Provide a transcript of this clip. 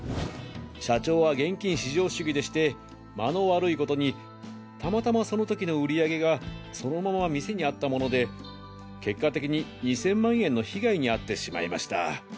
社長は現金至上主義でして間の悪いことにたまたまその時の売り上げがそのまま店にあったもので結果的に２０００万円の被害に遭ってしまいました。